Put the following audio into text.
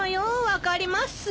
分かります？